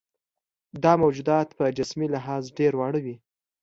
دا موجودات په جسمي لحاظ ډېر واړه وي.